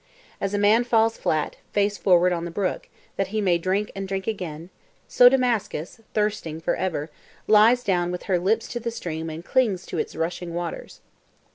As a man falls flat, face forward on the brook, that he may drink and drink again, so Damascus, thirsting for ever, lies down with her lips to the stream and clings to its rushing waters.